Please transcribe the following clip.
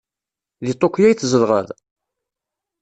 Deg Tokyo ay tzedɣeḍ?